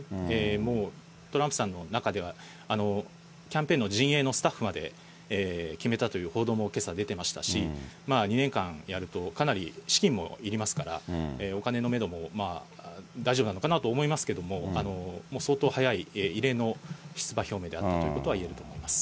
もうトランプさんの中では、キャンペーンの陣営のスタッフまで決めたという報道も、けさ出ていましたし、２年間やると、かなり資金もいりますから、お金のメドも大丈夫なのかなと思いますけど、相当早い、異例の出馬表明であったということは言えると思います。